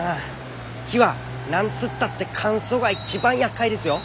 木は何つったって乾燥が一番やっかいですよ。